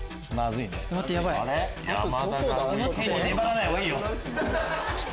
粘らないほうがいいよ。